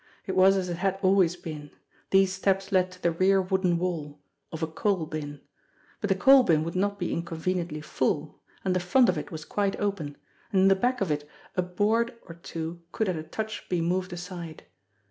It was as it had always been. These steps led to the rear wooden wall of a coal bin. But the coal bin would not be inconveniently full, and the front of it was quite open, and in the back of it a board or two could at a touch be moved aside.